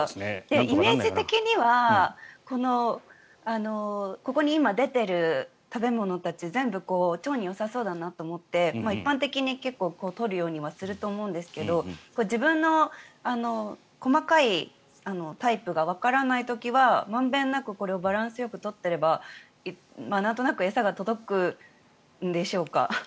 イメージ的にはここに今出ている食べ物たち全部腸によさそうだなと思って一般的に取るようにするとは思うんですけど自分の細かいタイプがわからない時は満遍なくバランスよく取っていればなんとなく餌が届くんでしょうか。